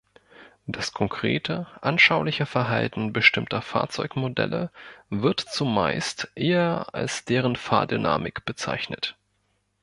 Das konkrete, anschauliche Verhalten bestimmter Fahrzeugmodelle wird zumeist eher als deren Fahrdynamik bezeichnet.